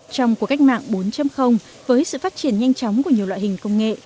trong cuộc cách mạng bốn với sự phát triển nhanh chóng của nhiều loại hình công nghệ